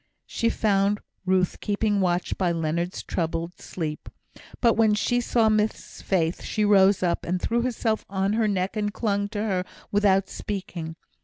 She found Ruth keeping watch by Leonard's troubled sleep; but when she saw Miss Faith she rose up, and threw herself on her neck and clung to her, without speaking.